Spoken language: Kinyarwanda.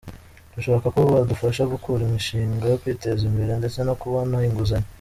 "Dushaka ko badufasha gukora imishinga yo kwiteza imbere ndetse no kubona inguzanyo".